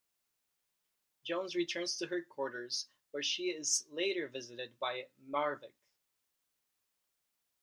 Jones returns to her quarters, where she is later visited by Marvick.